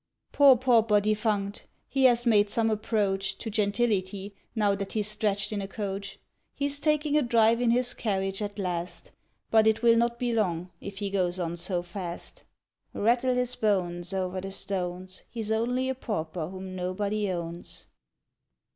_ Poor pauper defunct! he has made some approach To gentility, now that he's stretched in a coach! He's taking a drive in his carriage at last! But it will not be long, if he goes on so fast: _Rattle his bones over the stones! He's only a pauper whom nobody owns!